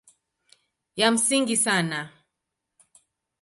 Ya msingi sana